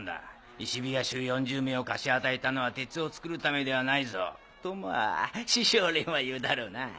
石火矢衆４０名を貸し与えたのは鉄を作るためではないぞ。とまぁ師匠連は言うだろうな。